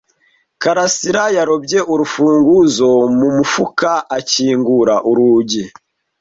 Karasirayarobye urufunguzo mu mufuka akingura urugi.